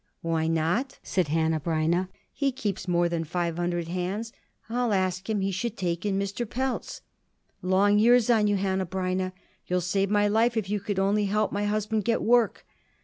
"Why not?" said Hanneh Breineh. "He keeps more than five hundred hands. I'll ask him he should take in Mr. Pelz." "Long years on you, Hanneh Breineh! You'll save my life if you could only help my husband get work."